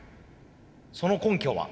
その根拠は？